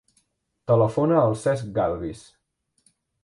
Telefona al Cesc Galvis.